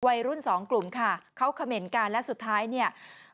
วัยรุ่นสองกลุ่มค่ะเขาคำเมนต์การและสุดท้าย